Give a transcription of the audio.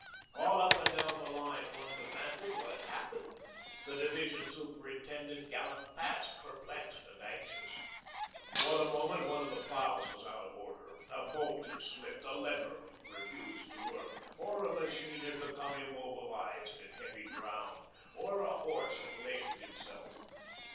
All up and down the line one demanded what had happened. The division superintendent galloped past, perplexed and anxious. For the moment, one of the ploughs was out of order, a bolt had slipped, a lever refused to work, or a machine had become immobilised in heavy ground, or a horse had lamed himself.